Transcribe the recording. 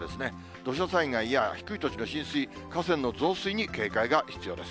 土砂災害や低い土地の浸水、河川の増水に警戒が必要です。